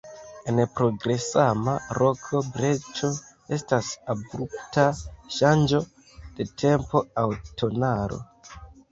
En progresema roko breĉo estas abrupta ŝanĝo de tempo aŭ tonalo.